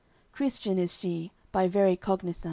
Christian is she by very cognisance.